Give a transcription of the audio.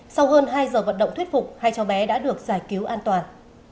sau hơn hai giờ vận động thuyết phục hai cháu bé đã được giải cứu an toàn